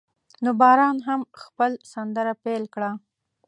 نو باران هم خپل سندره پیل کړه.